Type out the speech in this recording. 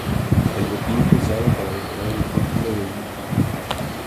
El botín fue usado para decorar el Templo de Inti.